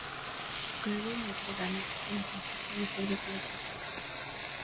Lo que hago en Notre-Dame y en concierto me sirve como práctica'.